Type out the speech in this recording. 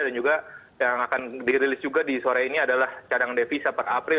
dan juga yang akan dirilis juga di sore ini adalah cadangan devisa per april